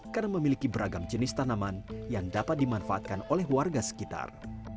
karena memiliki beragam jenis tanaman yang dapat dimanfaatkan oleh warga sekitar